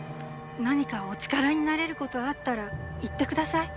何かお力になれることあったら言って下さい。